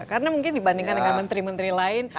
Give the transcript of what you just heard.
karena mungkin dibandingkan dengan menteri menteri lain